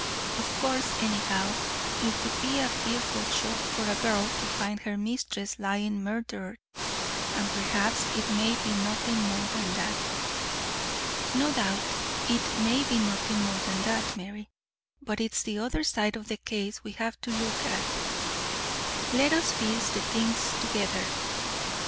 Of course, anyhow, it would be a fearful shock for a girl to find her mistress lying murdered, and perhaps it may be nothing more than that." "No doubt, it may be nothing more than that, Mary; but it's the other side of the case we have to look at. Let us piece the things together.